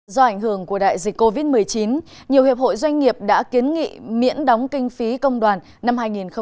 do ảnh hưởng của đại dịch covid một mươi chín nhiều hiệp hội doanh nghiệp đã kiến nghị miễn đóng kinh phí công đoàn năm hai nghìn hai mươi